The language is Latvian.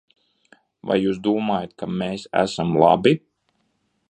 Vai jūs domājat, ka mēs esam labi?